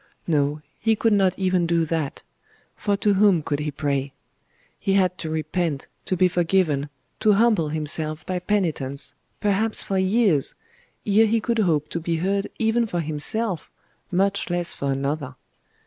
No, he could not even do that; for to whom could he pray? He had to repent, to be forgiven, to humble himself by penitence, perhaps for years, ere he could hope to be heard even for himself, much less for another....